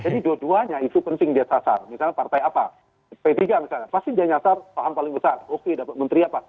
jadi dua duanya itu penting dia sasar misalnya partai apa p tiga misalnya pasti dia sasar paham paling besar oke dapat menteri apa